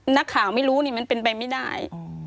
นักข่าวไม่รู้นี่มันเป็นไปไม่ได้